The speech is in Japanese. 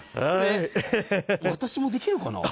私もできるかな。